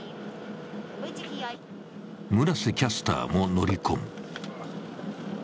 村瀬キャスターも乗り込む。